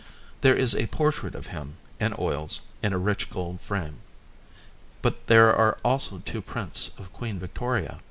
There is a portrait of him, in oils, in a rich gold frame; but there are also two prints of Queen Victoria.